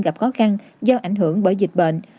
gặp khó khăn do ảnh hưởng bởi dịch bệnh